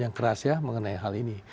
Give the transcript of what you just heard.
yang keras ya mengenai hal ini